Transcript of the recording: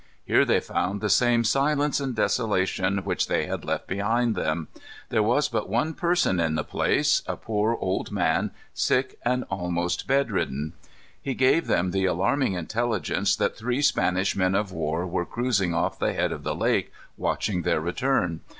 Here they found the same silence and desolation which they had left behind them. There was but one person in the place a poor old man, sick and almost bed ridden. He gave them the alarming intelligence that three Spanish men of war were cruising off the head of the lake, watching their return.